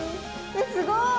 すごい。